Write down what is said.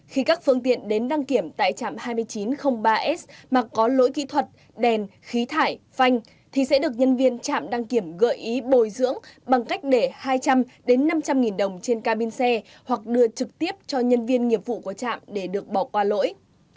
khi các phương tiện đến đăng kiểm tại trạm hai nghìn chín trăm linh ba s mà có lỗi kỹ thuật đèn khí thải phanh thì sẽ được nhân viên trạm đăng kiểm gợi ý bồi dưỡng bằng cách để hai trăm linh năm trăm linh nghìn đồng trên cabin xe hoặc đưa trực tiếp cho nhân viên nghiệp vụ của trạm để được bỏ qua lỗi